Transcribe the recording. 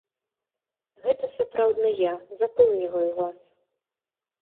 Гэта сапраўдны я, запэўніваю вас!